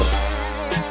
gak ada perhiasan